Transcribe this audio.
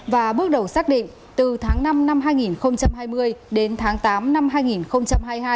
và bước đầu xác định từ tháng năm năm hai nghìn hai mươi đến tháng tám năm hai nghìn hai mươi hai